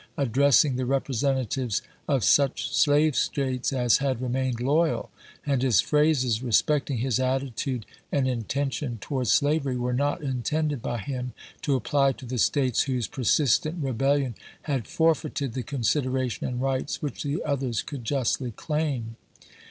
addressing the representatives of such slave States as liad remained loyal, and Ms phrases respecting his attitude and intention towards slavery were not intended by him to apply to the States whose per sistent rebellion had forfeited the consideration and rights which the others could justly claim.